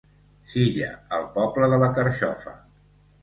Silla, el poble de la carxofa.